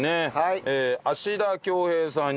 芦田京平さん